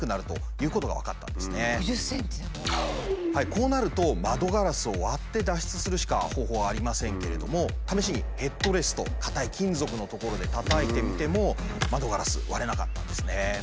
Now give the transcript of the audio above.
こうなると窓ガラスを割って脱出するしか方法はありませんけれども試しにヘッドレスト硬い金属の所でたたいてみても窓ガラス割れなかったんですね。